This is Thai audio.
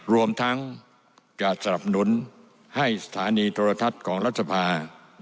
รวมทั้งจะสนับสนุนให้สถานีโทรทัศน์ของรัฐสภา